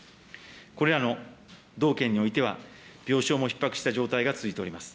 これらの道県においては、病床もひっ迫した状態が続いております。